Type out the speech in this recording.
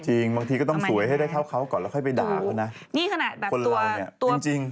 จริงบางทีก็ต้องสวยให้ได้เท่าเขาก่อนแล้วค่อยไปด่าเขานะคนเราเนี่ยจริง